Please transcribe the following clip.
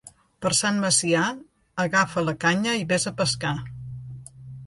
Per Sant Macià agafa la canya i ves a pescar.